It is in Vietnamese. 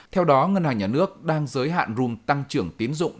theo đó ngân hàng nhà nước đang giới hạn rum tăng trưởng tiến dụng